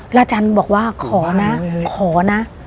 อาจารย์บอกว่าขอนะขอนะ